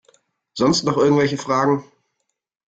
Sonst noch irgendwelche Fragen?